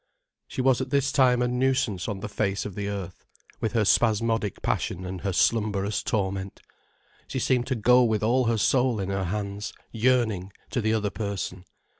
She was at this time a nuisance on the face of the earth, with her spasmodic passion and her slumberous torment. She seemed to go with all her soul in her hands, yearning, to the other person.